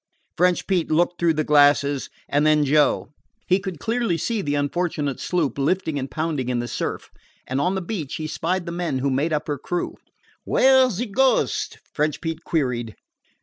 French Pete looked through the glasses, and then Joe. He could clearly see the unfortunate sloop lifting and pounding in the surf, and on the beach he spied the men who made up her crew. "Where 's ze Ghost?" French Pete queried.